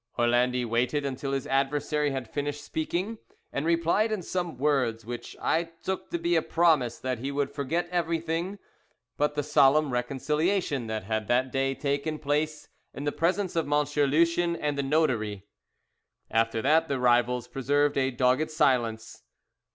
Orlandi waited until his adversary had finished speaking, and replied in some words which I took to be a promise that he would forget everything but the solemn reconciliation that had that day taken place in the presence of Monsieur Lucien and the notary. After that the rivals preserved a dogged silence.